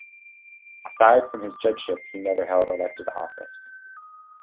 Aside from his judgeship, he never held elected office.